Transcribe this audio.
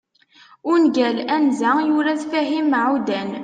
ungal anza, yura-t Fahim Meɛudan